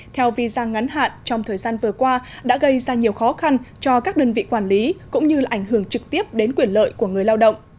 theo visa ngắn hạn trong thời gian vừa qua đã gây ra nhiều khó khăn cho các đơn vị quản lý cũng như ảnh hưởng trực tiếp đến quyền lợi của người lao động